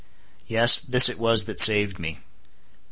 Yes, this it was that saved me.